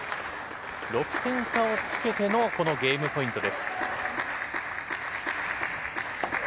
６点差をつけてのこのゲームポイントです。